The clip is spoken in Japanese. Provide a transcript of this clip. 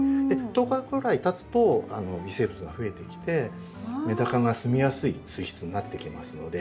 １０日ぐらいたつと微生物がふえてきてメダカが住みやすい水質になってきますので。